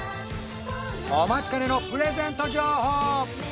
お待ちかねのプレゼント情報